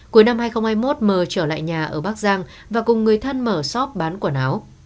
cuối năm hai nghìn hai mươi một m trở lại nhà ở bắc giang và cùng người thân mở shop bán quần áo